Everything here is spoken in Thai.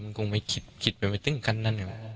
มันมันคงมายคิดคิดไปไม่ตึ้งกันน่ะ